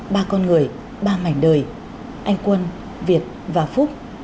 ba con người ba mảnh đời anh quân việt và phúc